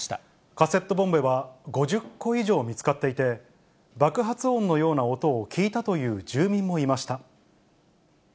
カセットボンベは５０個以上見つかっていて、爆発音のような音を聞いたという住民もいました。